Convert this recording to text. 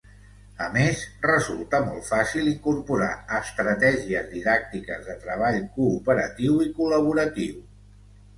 A més, resulta molt fàcil incorporar estratègies didàctiques de treball cooperatiu i col·laboratiu.